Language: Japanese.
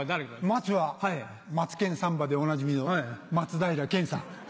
松は『マツケンサンバ』でおなじみの松平健さん。